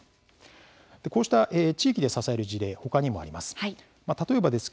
こうした地域で支える事例他にもあります。